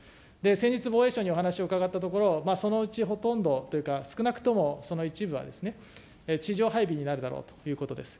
先日、防衛省にお話を伺ったところ、そのうちほとんどというか、少なくともその一部は、地上配備になるだろうということです。